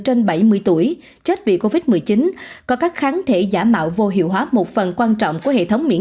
trên bảy mươi tuổi chết vì covid một mươi chín có các kháng thể giả mạo vô hiệu hóa một phần quan trọng của hệ thống miễn